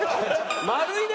丸いね！